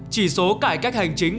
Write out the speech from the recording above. chỉ số cải cách hành chính